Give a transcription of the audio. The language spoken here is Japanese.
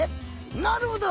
「なるほど！